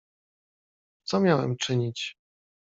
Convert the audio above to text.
"Co miałem czynić?"